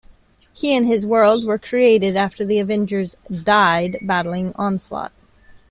He and his world were created after the Avengers "died" battling Onslaught.